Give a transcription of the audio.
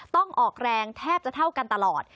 ออกแรงแทบจะเท่ากันตลอด